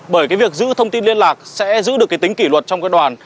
bởi cái việc giữ thông tin liên lạc sẽ giữ được cái tính kỷ luật trong các đoàn